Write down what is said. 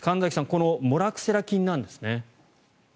このモラクセラ菌なんですね。